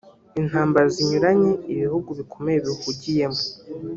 intambara zinyuranye ibihugu bikomeye bihugiyemo